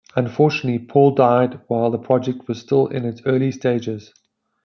Unfortunately, Paul died while the project was still in its early stages.